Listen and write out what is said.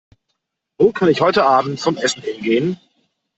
Wo kann ich heute Abend zum Essen hingehen?